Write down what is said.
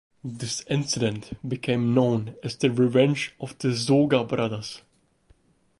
This incident became known as the Revenge of the Soga Brothers.